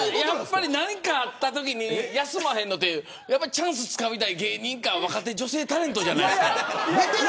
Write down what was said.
何かあったときに休まへんのはチャンスをつかみたい芸人か若手女性タレント。